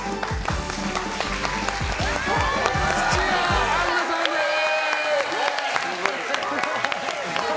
土屋アンナさんです！